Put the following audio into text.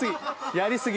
やり過ぎ。